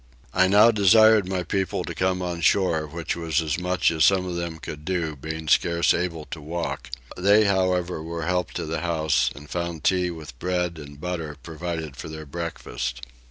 I now desired my people to come on shore which was as much as some of them could do, being scarce able to walk: they however were helped to the house and found tea with bread and butter provided for their breakfast.